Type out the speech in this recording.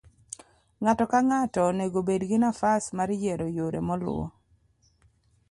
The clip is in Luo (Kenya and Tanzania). ng'ato ka ng'ato onego bed gi nafas mar yiero yore moluwo